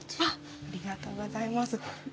ありがとうございます。